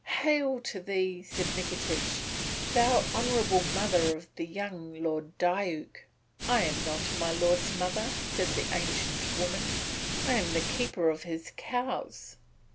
"Hail to thee!" said Nikitich, "thou honourable mother of the young Lord Diuk." "I am not my lord's mother," said the ancient woman, "I am the keeper of his cows."